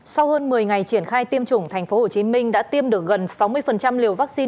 sau hơn một mươi ngày triển khai tiêm chủng tp hcm đã tiêm được gần sáu mươi liều vaccine